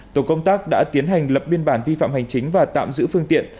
tổ công tác đã tiến hành lập biên bản vi phạm hành chính và tạm giữ phương tiện